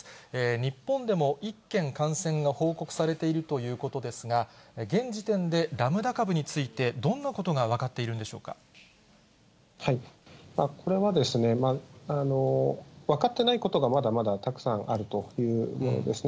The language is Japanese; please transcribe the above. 日本でも１件感染が報告されているということですが、現時点でラムダ株について、どんなことが分かっているんでしこれはですね、分かってないことがまだまだたくさんあるというものですね。